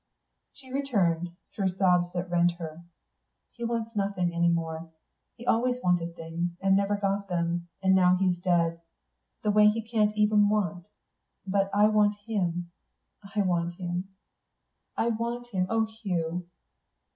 She returned, through sobs that rent her. "He wants nothing any more. He always wanted things, and never got them; and now he's dead, the way he can't even want. But I want him; I want him; I want him oh, Hugh!"